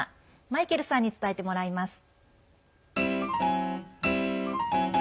マイケルさんに伝えてもらいます。